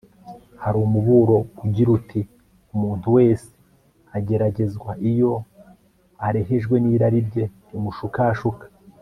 hari umuburo ugira uti “umuntu wese ageragezwa iyo arehejwe n'irari rye rimushukashuka